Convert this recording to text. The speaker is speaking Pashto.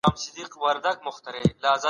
خلک کورونو ته لاړل.